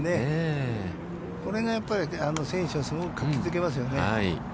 これがやっぱり選手をすごく活気づけますよね。